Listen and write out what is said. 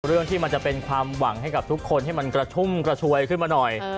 เรื่องที่มันจะเป็นความหวังให้กับทุกคนให้มันกระชุ่มกระชวยขึ้นมาหน่อย